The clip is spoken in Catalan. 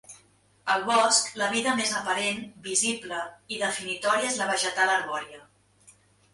Al bosc la vida més aparent, visible, i definitòria és la vegetal arbòria.